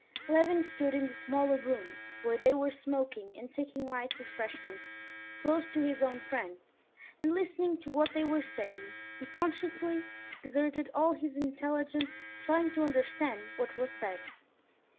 Levin stood in the smaller room, where they were smoking and taking light refreshments, close to his own friends, and listening to what they were saying, he conscientiously exerted all his intelligence trying to understand what was said.